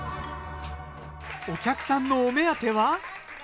お客さんのお目当ては。